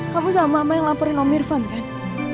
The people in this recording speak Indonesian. kamu sama mama yang laporin om irfan kan